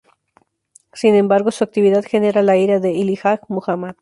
Sin embargo, su actividad genera la ira de Elijah Muhammad.